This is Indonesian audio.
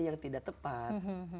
yang tidak tepat